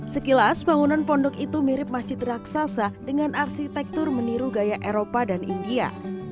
sekilas bangunan pondok itu mirip masjid raksasa dengan arsitektur meniru gaya eropa dan india